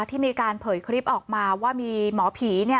ที่มีการเผยคลิปออกมาว่ามีหมอผี